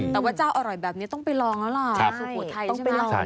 แต่ว่าเจ้าอร่อยแบบนี้ต้องไปลองแล้วล่ะสุโขทัยต้องไปลอง